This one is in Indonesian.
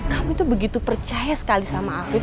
kamu tuh begitu percaya sekali sama afif